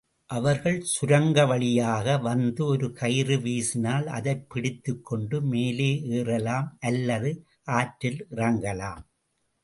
அவர்கள் சுரங்க வழியாக வந்து ஒரு கயிறு வீசினால் அதைப் பிடித்துக்கொண்டு மேலே ஏறலாம் அல்லது ஆற்றில் இறங்கலாம்.